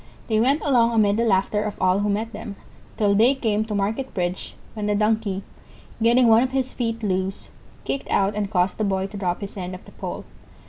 They went along amid the laughter of all who met them till they came to Market Bridge, when the Donkey, getting one of his feet loose, kicked out and caused the Boy to drop his end of the pole.